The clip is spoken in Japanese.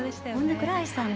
倉橋さん